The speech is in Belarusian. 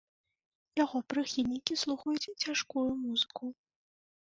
Яго прыхільнікі слухаюць цяжкую музыку.